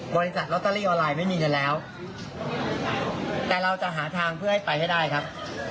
บริษัทลอตเตอรี่ออนไลน์ไม่มีเงินแล้วแต่เราจะหาทางเพื่อให้ไปให้ได้ครับ